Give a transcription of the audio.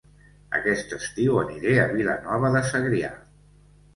Aquest estiu aniré a Vilanova de Segrià